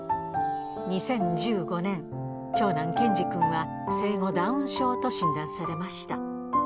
２０１５年、長男ケンジくんは生後、ダウン症と診断されました。